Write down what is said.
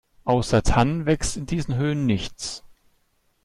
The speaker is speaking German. Außer Tannen wächst in diesen Höhen nichts.